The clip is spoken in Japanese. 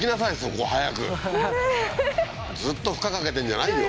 これずっと負荷かけてんじゃないよ